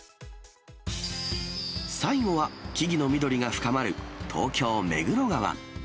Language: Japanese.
最後は、木々の緑が深まる東京・目黒川。